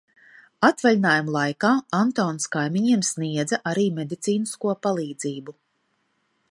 Atvaļinājuma laikā Antons kaimiņiem sniedza arī medicīnisko palīdzību.